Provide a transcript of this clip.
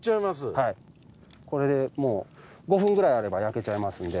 はいこれでもう５分くらいあれば焼けちゃいますんで。